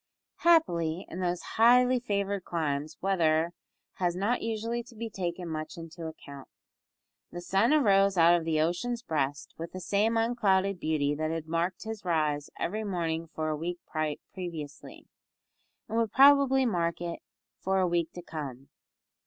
Happily, in those highly favoured climes weather has not usually to be taken much into account. The sun arose out of the ocean's breast with the same unclouded beauty that had marked his rise every morning for a week previously, and would probably mark it for a week to come.